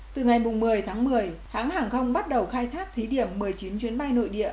từ ngày một mươi tháng một mươi hãng hàng không bắt đầu khai thác thí điểm một mươi chín chuyến bay nội địa